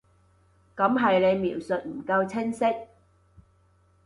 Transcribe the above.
噉係你描述唔夠清晰